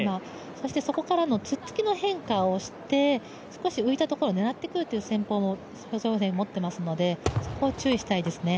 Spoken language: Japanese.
そしてそこからのつっつきの変化をして、浮いたところを狙ってくるという戦法をソ・ヒョウォン選手持ってますので、そこを注意したいですね。